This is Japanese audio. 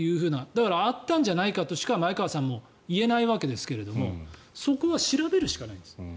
だからあったんじゃないかとしか前川さんも言えないわけですけどそこは調べるしかないです。